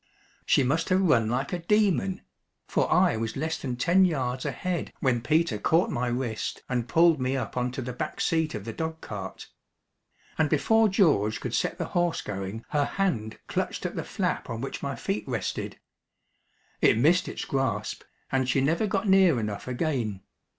She must have run like a demon; for I was less than ten yards ahead when Peter caught my wrist and pulled me up on to the back seat of the dog cart. And before George could set the horse going her hand clutched at the flap on which my feet rested. It missed its grasp, and she never got near enough again.